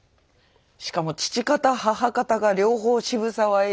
しかも父方母方が両方渋沢栄一さんと。